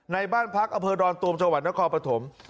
ในบ้านพักอเภอดรตวมจังหวัดนครปฐม